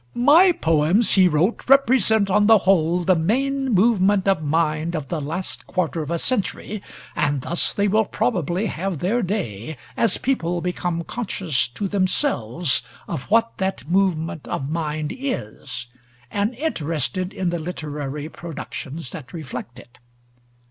"My poems," he wrote, "represent on the whole the main movement of mind of the last quarter of a century; and thus they will probably have their day as people become conscious to themselves of what that movement of mind is, and interested in the literary productions that reflect it.